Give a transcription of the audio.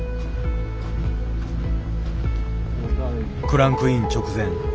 クランクイン直前。